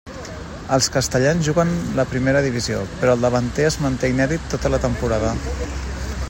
Els castellans juguen la primera divisió, però el davanter es manté inèdit tota la temporada.